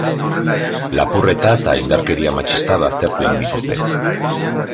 Lapurreta eta indarkeria matxista baztertu egin dituzte.